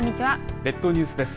列島ニュースです。